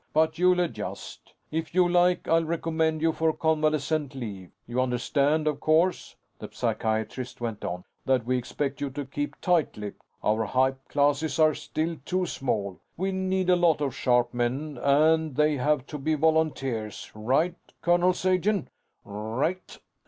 But you'll adjust. If you like, I'll recommend you for convalescent leave. You understand, of course," the psychiatrist went on, "that we expect you to keep tight lipped. Our hype classes are still too small. We need a lot of sharp men, and they have to be volunteers. Right, Colonel Sagen?" "Right."